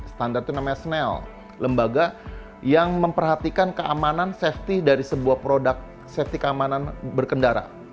standar itu namanya snell lembaga yang memperhatikan keamanan safety dari sebuah produk safety keamanan berkendara